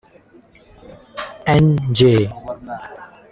N. J.